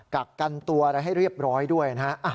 กักกันตัวอะไรให้เรียบร้อยด้วยนะฮะ